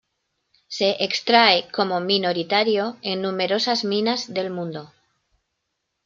Se extrae como minoritario en numerosas minas del mundo.